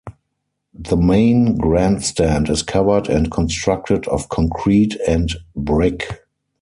The main grandstand is covered and constructed of concrete and brick.